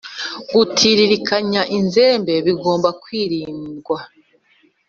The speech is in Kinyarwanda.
gutiririkanya inzembe bigomba kwirindwa